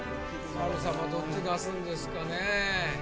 波瑠様どっち出すんですかね？